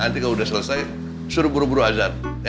nanti kalau udah selesai suruh buru buru azar ya